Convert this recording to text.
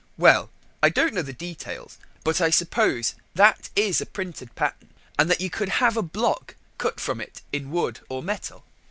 "Well, I don't know the details, but I suppose that is a printed pattern, and that you could have a block cut from it in wood or metal."